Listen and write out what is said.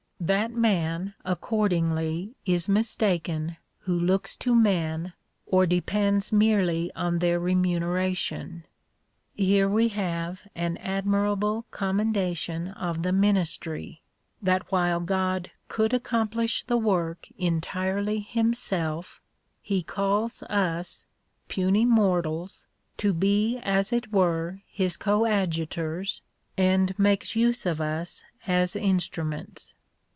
That man, accordingly, is mistaken who looks to men, or depends merely on their remuneration. Here we have an admirable commendation of the ministry — that while God could accomplish the work entirely himself, he calls us, puny mortals,^ to be as it were his coadjutors, and makes ^ use of us as instruments.